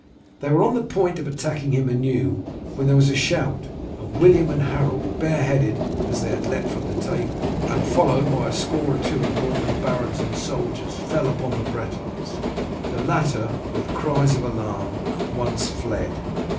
They were on the point of attacking him anew, when there was a shout, and William and Harold, bareheaded as they had leapt from the table, and followed by a score or two of Norman barons and soldiers, fell upon the Bretons. The latter with cries of alarm at once fled.